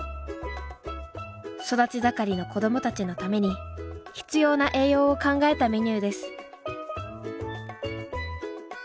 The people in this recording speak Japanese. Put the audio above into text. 育ち盛りの子どもたちのために必要な栄養を考えたメニューです。